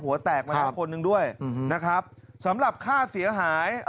แตกมาแล้วคนหนึ่งด้วยนะครับสำหรับค่าเสียหาย